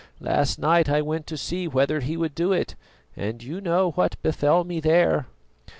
Last night I went to see whether He would do it, and you know what befell me there."